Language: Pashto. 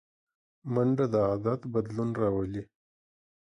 منډه د عادت بدلون راولي